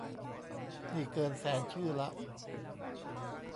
นี่เกินแสนชื่อละ